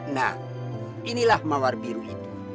nah inilah mawar biru itu